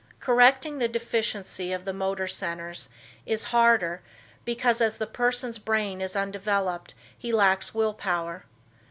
Correcting the deficiency of the motor centers is harder because as the person's brain is undeveloped he lacks will power.